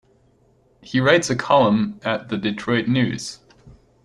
He writes a column at "The Detroit News".